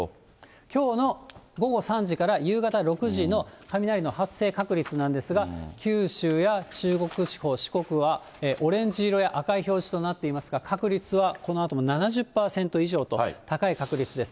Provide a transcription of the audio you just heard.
きょうの午後３時から夕方６時の、雷の発生確率なんですが、九州や中国地方、四国は、オレンジ色や赤い表示となってますが、確率はこのあとも７０％以上と高い確率です。